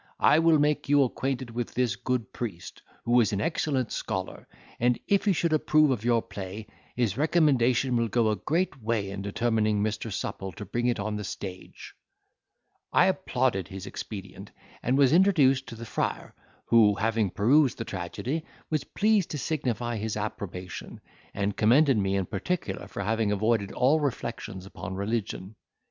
I will make you acquainted with this good priest, who is an excellent scholar, and if he should approve of your play, his recommendation will go a great way in determining Mr. Supple to bring it on the stage." I applauded his expedient, and was introduced to the friar, who, having perused the tragedy, was pleased to signify his approbation, and commended me in particular for having avoided all reflections upon religion.